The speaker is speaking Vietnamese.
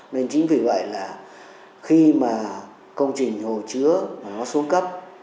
nên chính vì vậy là khi mà công trình hồ chứa nó xuống cấp